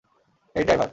এই, ড্রাইভার!